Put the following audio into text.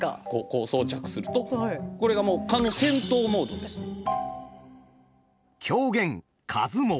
こう装着するとこれがもう狂言「蚊相撲」。